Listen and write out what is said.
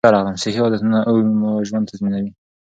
صحي عادتونه اوږد ژوند تضمینوي.